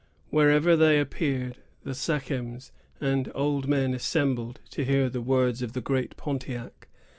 Wherever they appeared, the sachems and old men assembled, to hear the words of the great Pontiac.